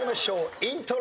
イントロ。